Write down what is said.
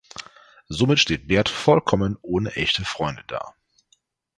Somit steht Bert vollkommen ohne echte Freunde da.